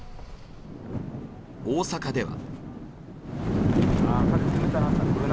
大阪では。